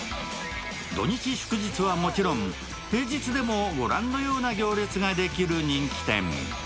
土日祝日はもちろん、平日でもご覧のような行列ができる人気店。